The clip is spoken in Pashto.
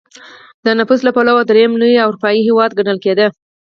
د نفوس له پلوه درېیم لوی اروپايي هېواد ګڼل کېده.